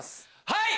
はい！